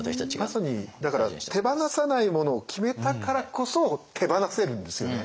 まさに手放さないものを決めたからこそ手放せるんですよね。